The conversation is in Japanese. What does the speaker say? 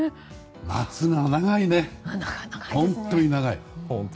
夏は長いね、本当に長い。